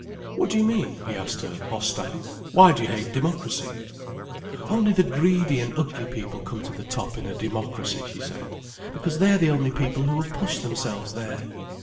"What do you mean?" he asked her, hostile. "Why do you hate democracy?" "Only the greedy and ugly people come to the top in a democracy," she said, "because they're the only people who will push themselves there.